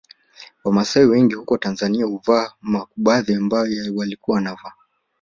Wamasai wengi huko Tanzania huvaa makubadhi ambayo walikuwa wanavaa